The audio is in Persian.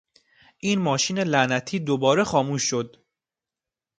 این ماشین لعنتی دوباره خاموش شد!